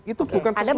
itu bukan sesuatu yang